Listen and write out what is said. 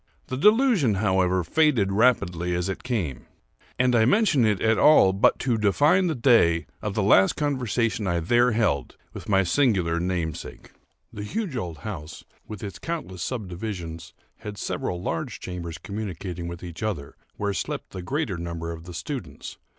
The delusion, however, faded rapidly as it came; and I mention it at all but to define the day of the last conversation I there held with my singular namesake. The huge old house, with its countless subdivisions, had several large chambers communicating with each other, where slept the greater number of the students.